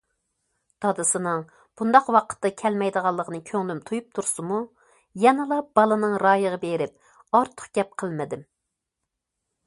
دادىسىنىڭ بۇنداق ۋاقىتتا كەلمەيدىغانلىقىنى كۆڭلۈم تۇيۇپ تۇرسىمۇ، يەنىلا بالىنىڭ رايىغا بېرىپ ئارتۇق گەپ قىلمىدىم.